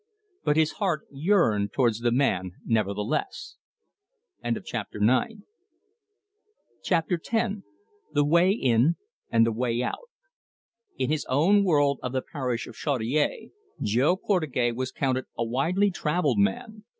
But his heart yearned towards the man nevertheless. CHAPTER X. THE WAY IN AND THE WAY OUT In his own world of the parish of Chaudiere Jo Portugais was counted a widely travelled man.